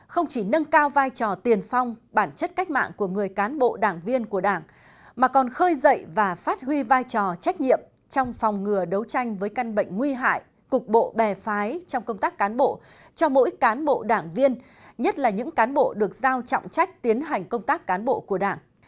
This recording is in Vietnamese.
không chỉ nâng cao vai trò tiền phong bản chất cách mạng của người cán bộ đảng viên của đảng mà còn khơi dậy và phát huy vai trò trách nhiệm trong phòng ngừa đấu tranh với căn bệnh nguy hại cục bộ bè phái trong công tác cán bộ cho mỗi cán bộ đảng viên nhất là những cán bộ được giao trọng trách tiến hành công tác cán bộ của đảng